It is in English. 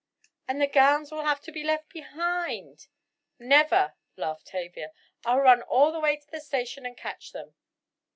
"And the gowns will have to be left behind!" "Never!" laughed Tavia, "I'll run all the way to the station and catch them!"